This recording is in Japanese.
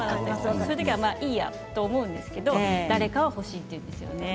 そういうときにはまあいいやと思うんだけれど誰かが欲しいと言うんですよね。